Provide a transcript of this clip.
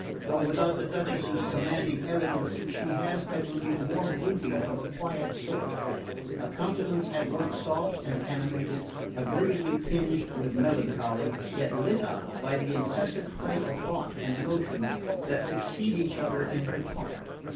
Though without the Duchess's commanding elegance she has, I believe, more beauty of a quiet sort: a countenance at once soft and animated, agreeably tinged with melancholy, yet lit up by the incessant play of thought and emotion that succeed each other in her talk.